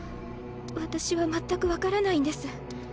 私は全く分からないんです。